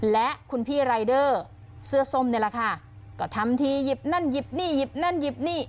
และคุณพี่รายเดอร์เสื้อส้มนี่แหละค่ะก็ทำทีหยิบนั่นหยิบนี่หยิบนั่นหยิบนี่